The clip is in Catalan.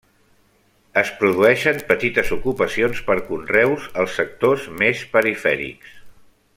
Es produeixen petites ocupacions per conreus als sectors més perifèrics.